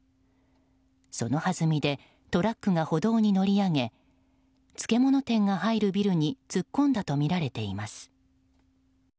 そのはずみでトラックが歩道に乗り上げ漬物店が入るビルに突っ込んだとみられています。